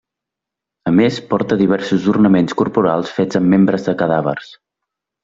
A més porta diversos ornaments corporals fets amb membres de cadàvers.